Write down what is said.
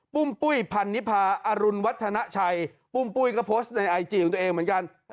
้มปุ้ยพันนิพาอรุณวัฒนาชัยปุ้มปุ้ยก็โพสต์ในไอจีของตัวเองเหมือนกัน